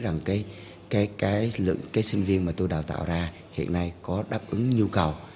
rằng cái sinh viên mà tôi đào tạo ra hiện nay có đáp ứng nhu cầu